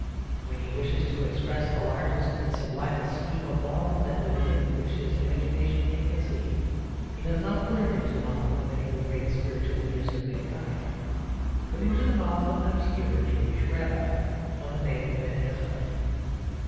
When he wishes to express the largest and sublimest scheme of morals and religion which his imagination can conceive, he does not put it into the mouth of any of the great spiritual leaders of mankind, but into the mouth of an obscure Jewish Rabbi of the name of Ben Ezra.